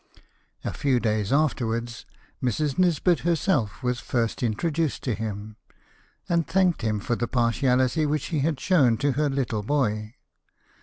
A few days afterwards Mrs. Nisbet herself was first introduced to him, and thanked him for the partiality which he had shown to her Httle boy.